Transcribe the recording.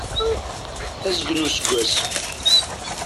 Azgen n useggas.